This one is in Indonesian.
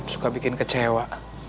suka bikin kecewa